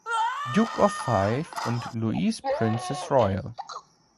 Duke of Fife und Louise, Princess Royal.